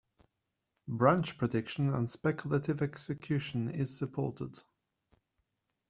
Branch prediction and speculative execution is supported.